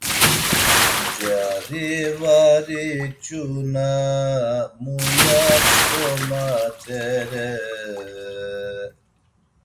Cari var iç̌una muya pşǩomatere?